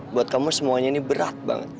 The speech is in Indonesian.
buat kamu semuanya ini berat banget